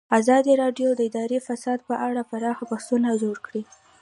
ازادي راډیو د اداري فساد په اړه پراخ بحثونه جوړ کړي.